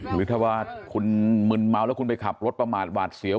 หรือถ้าว่าคุณมึนเมาแล้วคุณไปขับรถประมาทหวาดเสียว